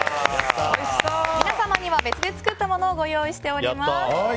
皆様には別で作ったものをご用意しています。